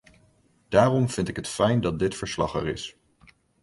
Daarom vind ik het fijn dat dit verslag er is.